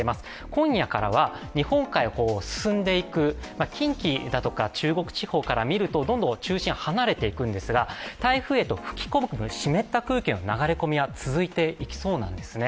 今夜からは日本海を進んでいく、近畿だとか中国地方から見るとどんどん中心、離れていくんですが台風へと吹き込む湿った空気の流れ込みは続いていきそうなんですね。